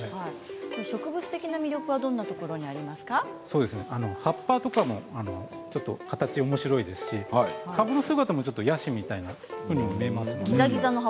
植物的な魅力は葉っぱとかも形がおもしろいですし株の姿もヤシみたいに見えますよね。